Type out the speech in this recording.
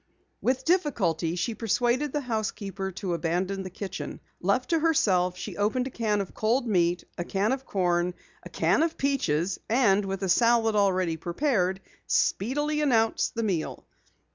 With difficulty she persuaded the housekeeper to abandon the kitchen. Left to herself, she opened a can of cold meat, a can of corn, a can of peaches, and with a salad already prepared, speedily announced the meal.